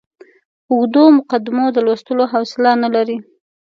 اوږدو مقدمو د لوستلو حوصله نه لري.